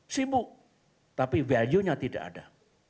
sibuk tapi value nya tidak ada